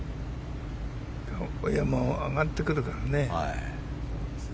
上がってくるからね。